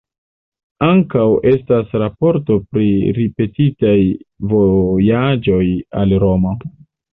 Ankaŭ estas raportoj pri ripetitaj vojaĝoj al Romo.